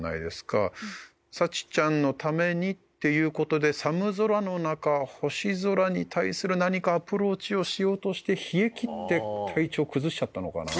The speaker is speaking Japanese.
佐知ちゃんのためにっていう事で寒空の中星空に対する何かアプローチをしようとして冷えきって体調を崩しちゃったのかな。